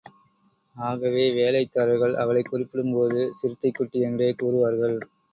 ஆகவே வேலைக்காரர்கள் அவளைக் குறிப்பிடும்போது சிறுத்தைக்குட்டி என்றே கூறுவார்கள்.